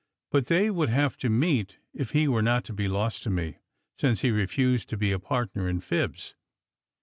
But they would have to meet if he were not to be lost to me, since he refused to be a partner in fibs.